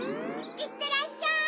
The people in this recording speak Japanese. いってらっしゃい！